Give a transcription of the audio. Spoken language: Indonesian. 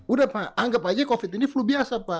udah pak anggap aja covid ini flu biasa pak